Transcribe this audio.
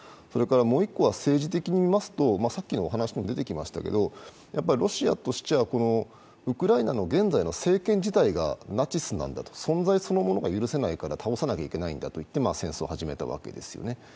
もう１個は、政治的に見ますとやっぱりロシアとしてはウクライナの現在の政権自体がナチスなんだと、存在そのものが許せないから倒さなきゃいけないんだといって戦争を始めたわけですよね。